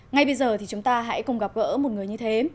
ngay bây giờ thì chúng ta hãy cùng gặp gỡ một người như thế